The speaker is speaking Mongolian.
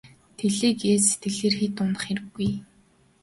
Тэглээ гээд сэтгэлээр хэт унах хэрэггүй.